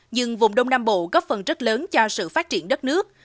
nhưng vùng đông nam bộ góp phần rất lớn cho sự phát triển đất nước